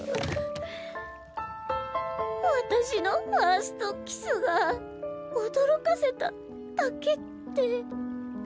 私のファーストキスが驚かせただけって。